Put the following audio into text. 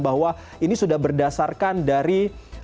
bahwa ini sudah berdasarkan dari